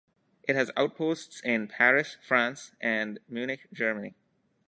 It has outposts in Paris, France, and Munich, Germany.